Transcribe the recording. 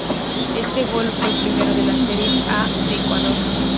Este gol fue el primero de la Serie A de Ecuador.